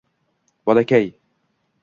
Bolakay